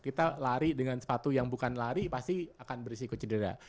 kita lari dengan sepatu yang bukan lari pasti akan berisiko cedera